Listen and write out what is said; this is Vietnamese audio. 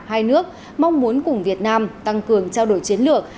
hai nước mong muốn cùng việt nam tăng cường trao đổi chiến lược